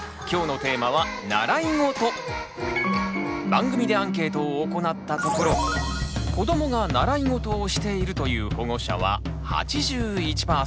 今日のテーマは番組でアンケートを行ったところ「子どもが習い事をしている」という保護者は８１％！